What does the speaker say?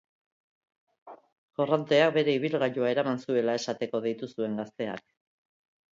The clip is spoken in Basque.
Korronteak bere ibilgailua eraman zuela esateko deitu zuen gazteak.